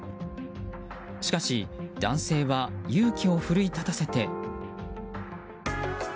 しかし男性は勇気を奮い立たせて。